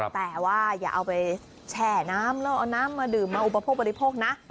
แต่ว่าอย่าเอาไปแช่น้ำแล้วเอาน้ำมาดื่มมาอุปโภคบริโภคนะ